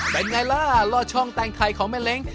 เป็นไงล่ะลอดช่องแตงไข่ของแม่เล้ง